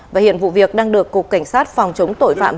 và hiện vụ việc đang được cục cảnh sát phòng chống tội phạm